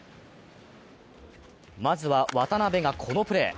まずは、渡辺がこのプレー。